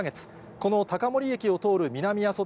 この高森駅を通る南阿蘇